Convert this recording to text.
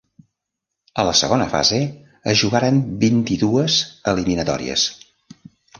A la segona fase es jugaren vint-i-dues eliminatòries.